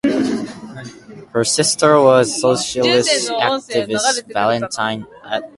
Her sister was Socialist activist Valentine Adler.